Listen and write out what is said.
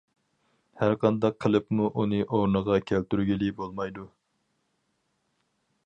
ھەرقانداق قىلىپمۇ ئۇنى ئورنىغا كەلتۈرگىلى بولمايدۇ.